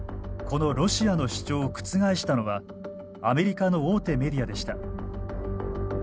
このロシアの主張を覆したのはアメリカの大手メディアでした。